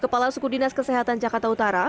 kepala suku dinas kesehatan jakarta utara